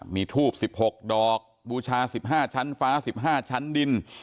มีทูบ๑๖ดอกบูชา๑๕ชั้นฟ้า๑๕ชั้นดิน